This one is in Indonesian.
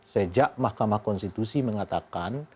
sejak mahkamah konstitusi mengatakan